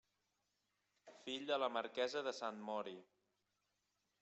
Fill de la marquesa de Sant Mori.